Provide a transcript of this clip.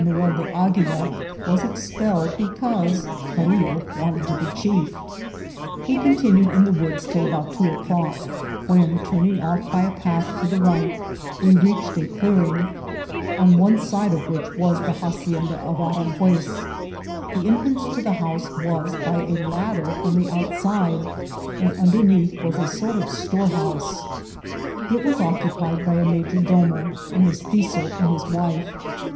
L— 3 B S78 IKCISBITTS OF TEAVBL. Don Mumel do Agcdla was expelled because Carillo wanted to be chiel We eontiniied in the woods till about two o'dock, wheoj turning off by a path to the right, we reached a clearing, on one side of which was the hacienda of Aranjnes. The entrance to the hoose was by a ladder from the outside, and underneath was a sort of store* house* It was occupied by a major domo, a Bfestitio, and his wife.